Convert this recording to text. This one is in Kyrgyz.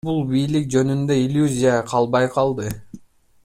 Бул бийлик жөнүндө иллюзия калбай калды.